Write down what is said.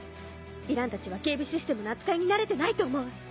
ヴィランたちは警備システムの扱いに慣れてないと思う。